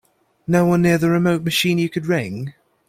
No one near the remote machine you could ring?